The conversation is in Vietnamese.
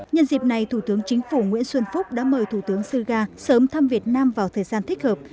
nhân dịp này thủ tướng chính phủ nguyễn xuân phúc đã mời thủ tướng suga sớm thăm việt nam vào thời gian thích hợp